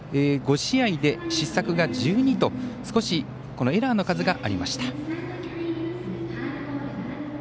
５試合で失策が１２と少し、エラーの数がありました。